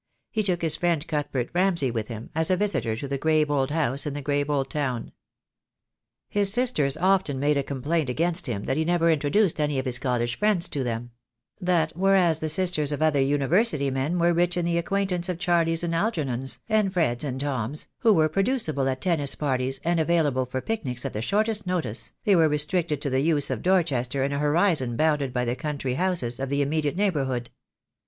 He took his friend Cuthbert Ramsay with him, as a visitor to the grave old house, in the grave old town. His sisters often made a complaint against him that he never introduced any of his college friends to them — that whereas the sisters of other University men were rich in the acquaintance of Charlies and Algernons, and Freds and Toms, who were produceable at tennis parties and available for picnics at the shortest notice, they were restricted to the youths of Dorchester and a horizon bounded by the country houses of the immediate neigh q6 the day will come. bourhood.